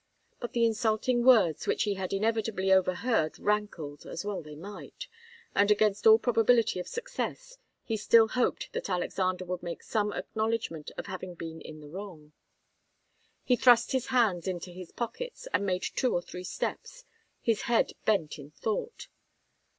But the insulting words which he had inevitably overheard rankled, as well they might, and against all probability of success, he still hoped that Alexander would make some acknowledgment of having been in the wrong. He thrust his hands into his pockets and made two or three steps, his head bent in thought.